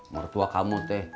mertua kamu teh